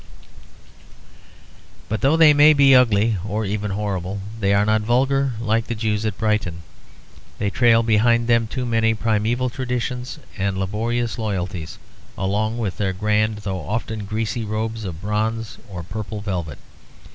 But though they may be ugly, or even horrible, they are not vulgar like the Jews at Brighton; they trail behind them too many primeval traditions and laborious loyalties, along with their grand though often greasy robes of bronze or purple velvet.